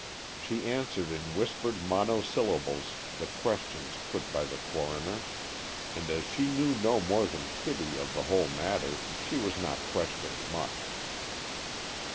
She answered in whispered monosyllables the questions put by the coroner, and as she knew no more than Kitty of the whole matter, she was not questioned much.